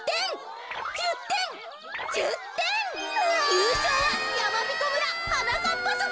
ゆうしょうはやまびこ村はなかっぱぞくです。